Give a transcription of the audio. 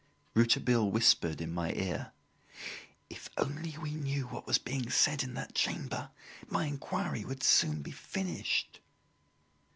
Rouletabille whispered in my ear: "If we only knew what was being said in that chamber, my inquiry would soon be finished."